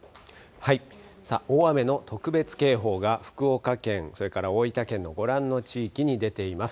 大雨の特別警報が福岡県、それから大分県のご覧の地域に出ています。